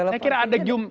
saya kira ada jum